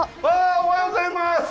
おはようございます。